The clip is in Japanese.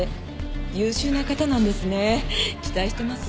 優秀な方なんですね。期待してます。